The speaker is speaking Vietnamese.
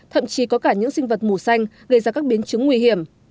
thậm chí có cả những sinh vật mù xanh gây ra các biến chứng nguy hiểm